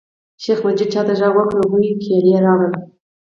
شیخ مجید چاته غږ وکړ او هغوی کیلي راوړله.